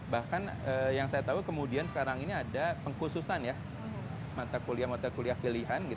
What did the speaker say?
bahkan yang saya tahu kemudian sekarang ini ada pengkhususan ya mata kuliah mata kuliah pilihan